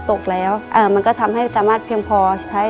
ในแคมเปญพิเศษเกมต่อชีวิตโรงเรียนของหนู